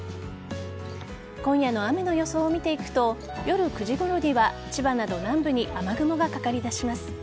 今夜の雨の予想を見ていくと夜９時ごろには千葉など南部に雨雲がかかりだします。